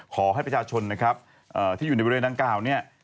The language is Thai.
ขอให้ประชาชนนะครับที่อยู่ในบริเวณดังกล่าวเนี่ย